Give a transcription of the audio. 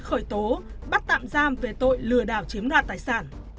khởi tố bắt tạm giam về tội lừa đảo chiếm đoạt tài sản